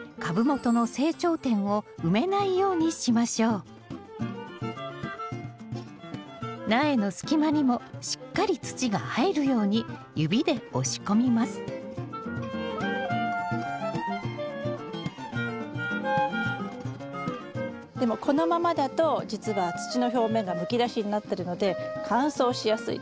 土を入れる際には苗の隙間にもしっかり土が入るように指で押し込みますでもこのままだとじつは土の表面がむき出しになってるので乾燥しやすいです。